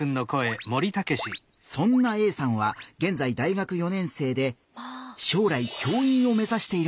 そんなＡさんはげんざい大学４年生で将来教員を目ざしているんだ。